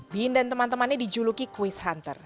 bin dan teman temannya dijuluki kuis hunter